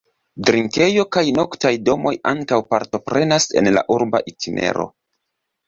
Drinkejo kaj noktaj domoj ankaŭ partoprenas en la urba itinero.